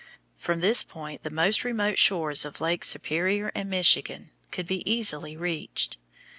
From this point the most remote shores of Lakes Superior and Michigan could be easily reached.